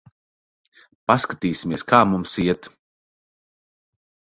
Paskatīsimies, kā mums iet.